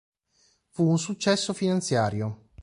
Fu un successo finanziario.